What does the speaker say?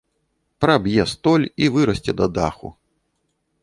Праб'е столь і вырасце да даху.